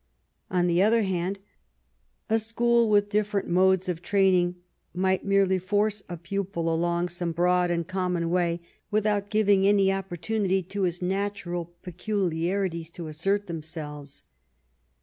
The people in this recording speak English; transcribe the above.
On the other hand, a school with different modes of training might merely force ETON AND OXFORD H a pupil along some broad and common way without giving any opportunity to his natural peculiarities to assert themselves.